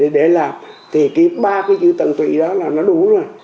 để làm thì ba chữ tận tụy đó là đúng rồi